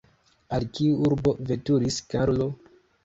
Al kiu urbo veturis Karlo?